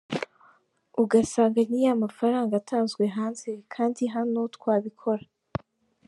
Ugasanga ni ya mafaranga atanzwe hanze kandi hano twabikora.